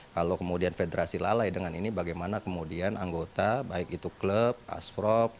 kalau kemudian federasi lalai dengan ini bagaimana kemudian anggota baik itu klub asprop